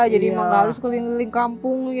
jadi emang gak harus keliling keliling kampung